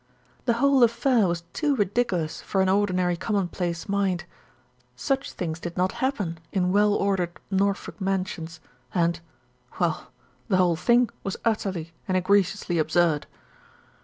The whole affair was too ridiculous for an ordinary common place mind. Such things did not happen in well ordered Norfolk mansions and well, the whole thing was utterly and egregiously ab surd.